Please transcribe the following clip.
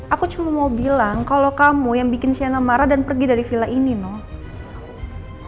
aku cuma mau bilang kalau kamu yang bikin siana marah dan pergi dari villa ini no